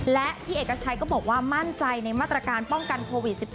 และพี่เอกชัยก็บอกว่ามั่นใจในมาตรการป้องกันโควิด๑๙